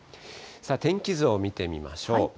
天気図を見てみましょう。